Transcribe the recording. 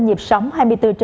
nhịp sóng hai mươi bốn h bảy